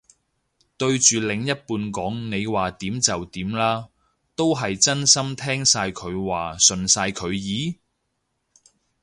對住另一半講你話點就點啦，都係真心聽晒佢話順晒佢意？